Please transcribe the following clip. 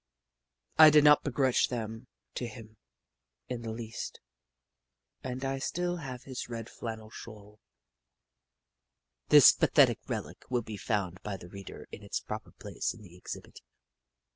I did not begrudge them to him in the least, and I still have his red flannel shawl. This pathetic relic will be found by the reader in its proper place in the exhibit.